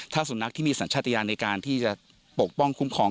ถ้าสุนัขที่มีสัญชาติยานในการที่จะปกป้องคุ้มครอง